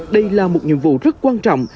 đây là một nhiệm vụ rất quan trọng